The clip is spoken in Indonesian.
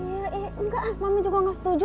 iya iya enggak mami juga gak setuju